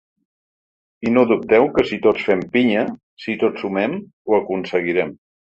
I no dubteu que si tots fem pinya, si tots sumem, ho aconseguirem.